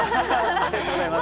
ありがとうございます。